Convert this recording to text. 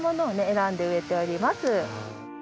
選んで植えております。